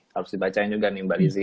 harus dibacain juga nih mba lizzy